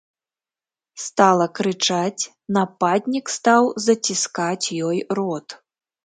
Стала крычаць, нападнік стаў заціскаць ёй рот.